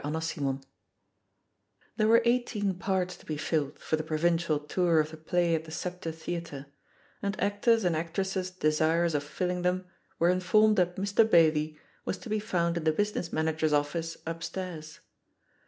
CHAPTER III There were eighteen parts to be filled for the provincial tour of the play at the Sceptre The atre, and actors and actresses desirous of filling them were informed that Mr. Bailey was to be found in the business manager's office upstairs.